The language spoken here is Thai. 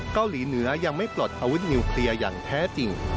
เกาหลีเหนือยังไม่ปลดอาวุธนิวเคลียร์อย่างแท้จริง